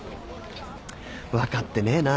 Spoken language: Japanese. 分かってねえな。